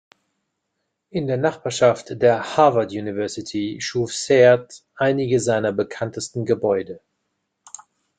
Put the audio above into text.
In der Nachbarschaft der Harvard University schuf Sert einige seiner bekanntesten Gebäude.